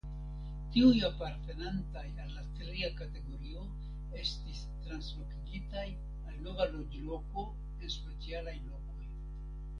Tiuj apartenantaj al la tria kategorio estis translokigitaj al nova loĝloko en specialaj lokoj.